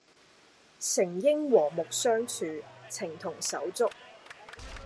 誠應和睦相處，情同手足